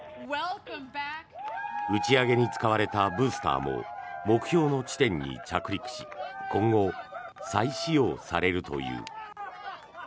打ち上げに使われたブースターも目標の地点に着陸し今後、再使用されるという。